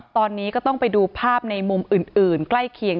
ตอนนี้ก็ต้องไปดูภาพในมุมอื่นใกล้เคียง